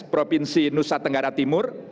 provinsi nusa tenggara timur